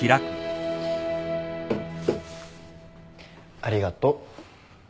ありがとう。